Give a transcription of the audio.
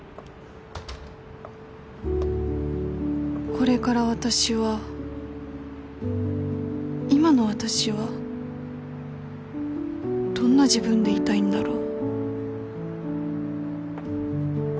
これから私は今の私はどんな自分でいたいんだろう